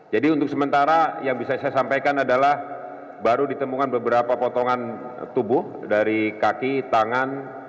jadi untuk sementara yang bisa saya sampaikan adalah baru ditemukan beberapa potongan tubuh dari kaki tangan